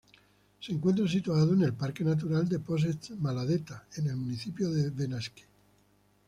Se encuentra situado en el Parque Natural de Posets-Maladeta en el municipio de Benasque.